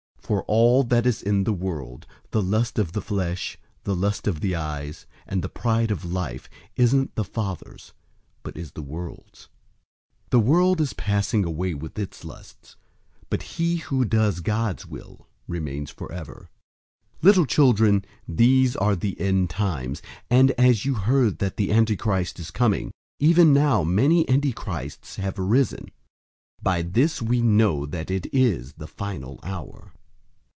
002:016 For all that is in the world, the lust of the flesh, the lust of the eyes, and the pride of life, isn't the Father's, but is the world's. 002:017 The world is passing away with its lusts, but he who does God's will remains forever. 002:018 Little children, these are the end times, and as you heard that the Antichrist is coming, even now many antichrists have arisen. By this we know that it is the final hour.